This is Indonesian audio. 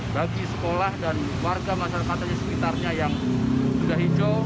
bagi sekolah dan warga masyarakatnya sekitarnya yang sudah hijau